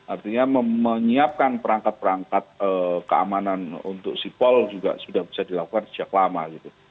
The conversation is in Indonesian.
artinya menyiapkan perangkat perangkat keamanan untuk sipol juga sudah bisa dilakukan sejak lama gitu